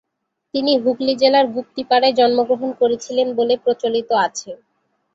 তিনি হুগলী জেলার গুপ্তিপাড়ায় জন্মগ্রহণ করেছিলেন বলে প্রচলিত আছে।